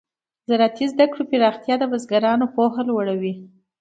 د زراعتي زده کړو پراختیا د بزګرانو پوهه لوړه وي.